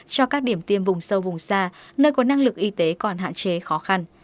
cho các điểm tiêm vùng sâu vùng xa nơi có năng lực y tế còn hạn chế khó khăn